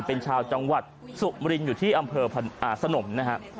เป็นชาวจังหวัดสุมรินอยู่ที่อำเภอสนมนะฮะ